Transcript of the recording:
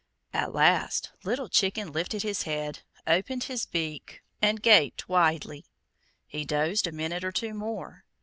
At last Little Chicken lifted his head, opened his beak, and gaped widely. He dozed a minute or two more.